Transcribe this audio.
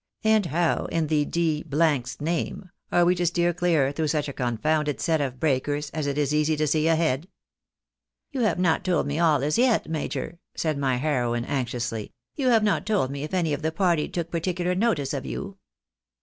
And how, in the d — I's name are we to steer clear throiigh such a confounded set of breakers as it is easy to see ahead ?"" You have not told me all, as yet, major," said my heroine, y>L,y> uioijUKJ* PROPOSED. 309 anxiously ;" you have not told me if any of the party took par ticular notice of you